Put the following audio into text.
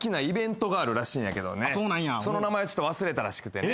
その名前ちょっと忘れたらしくてね。